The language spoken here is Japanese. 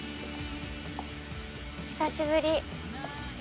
久しぶり。